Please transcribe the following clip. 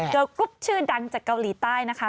โดยกรุ๊ปชื่อดังจากเกาหลีใต้นะคะ